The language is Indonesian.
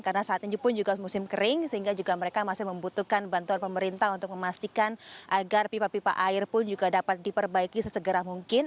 karena saat ini pun juga musim kering sehingga juga mereka masih membutuhkan bantuan pemerintah untuk memastikan agar pipa pipa air pun juga dapat diperbaiki sesegera mungkin